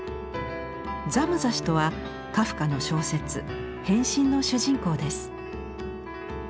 「ザムザ氏」とはカフカの小説「変身」の主人公です。